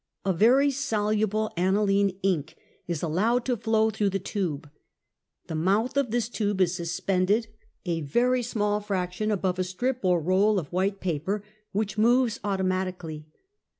A very soluble analine ink is allowed to flow through the tube. The mouth of this tube is suspended a very small fraction above a strip or roll of white paper, which moves automatically.